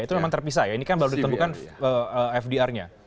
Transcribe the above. itu memang terpisah ya ini kan baru ditemukan fdr nya